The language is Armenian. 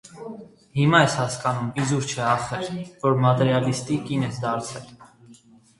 Հիմա՛ եմ հասկանում, իզուր չէ, ախր, որ մատերիալիստի կին ես դարձել: